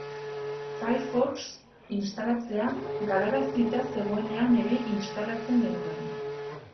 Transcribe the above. Firefox instalatzea galarazita zegoenean ere instalatzen genuen.